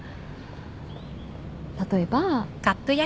例えば。